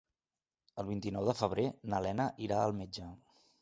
El vint-i-nou de febrer na Lena irà al metge.